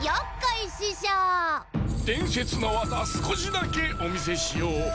でんせつのわざすこしだけおみせしよう。